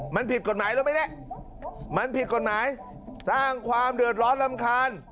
มันผิดกฎหมายแล้วไหมเนี่ยมันผิดกฎหมายสร้างความเดือดร้อนรำคาญ